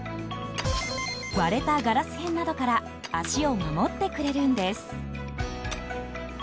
割れたガラス片などから足を守ってくれるんです。